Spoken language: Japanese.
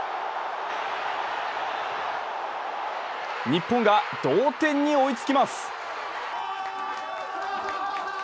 日本が同点に追いつきます。